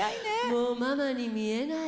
もうママに見えない。